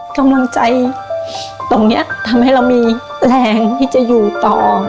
กำลังใจตรงนี้ทำให้เรามีแรงที่จะอยู่ต่อ